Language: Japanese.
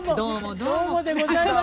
どうもでございます。